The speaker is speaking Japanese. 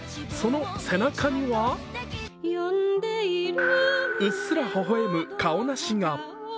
その背中にはうっすらほほ笑むカオナシが。